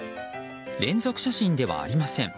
連続写真ではありません。